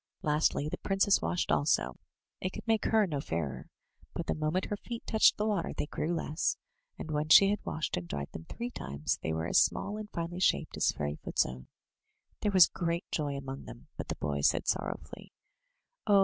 Lastly, the princess washed also — ^it could make her no fairer, but the moment her feet touched the water they grew less, and when she had washed and dried them three times, they were as small and iSnely shaped as Fairyfoot's own. There was great joy among them, but the boy said sorrowfully: "Oh!